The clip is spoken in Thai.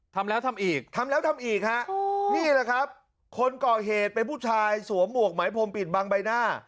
ทำแล้วทำอีกทำแล้วทำอีกฮะนี่แหละครับคนก่อเหตุเป็นผู้ชายสวมหมวกไหมพรมปิดบังใบหน้า